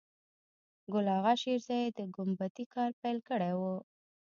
ګل آغا شېرزی د ګومبتې کار پیل کړی و.